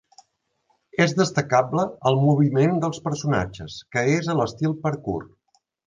És destacable el moviment dels personatges que és a l'estil parkour.